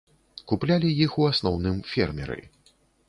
Куплялі іх у асноўным фермеры.